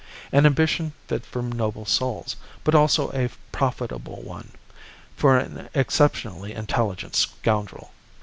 An ambition fit for noble souls, but also a profitable one for an exceptionally intelligent scoundrel.